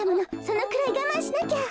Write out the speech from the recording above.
そのくらいがまんしなきゃ。